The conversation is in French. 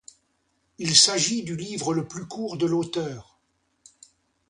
Il s'agit du livre le plus court de l'auteur.